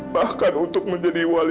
bahkan untuk menjadi wajahmu